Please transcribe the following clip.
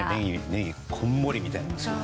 ネギをこんもりみたいな。